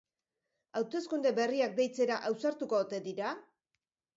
Hauteskunde berriak deitzera ausartuko ote dira?